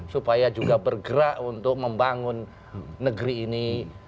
supaya juga bergerak untuk membangun negeri ini